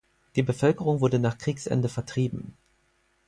Die Bevölkerung wurde nach Kriegsende vertrieben.